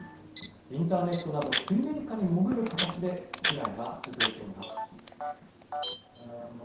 インターネットなど水面下に潜る形で被害は続いています。